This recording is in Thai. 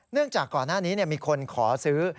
จากก่อนหน้านี้มีคนขอซื้อ